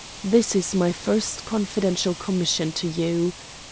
This is my first confidential commission to you.